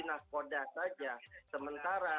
nak kodak saja sementara